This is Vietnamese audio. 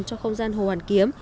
cho không gian hồ hoàn kiếm